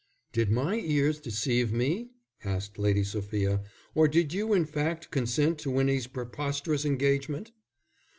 "Did my ears deceive me?" asked Lady Sophia. "Or did you in fact consent to Winnie's preposterous engagement?"